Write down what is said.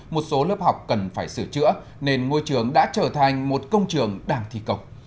một số lớp học cần phải sửa chữa nên ngôi trường đã trở thành một công trường đàng thi cộng